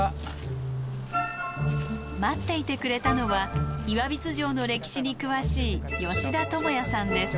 待っていてくれたのは岩櫃城の歴史に詳しい吉田智哉さんです。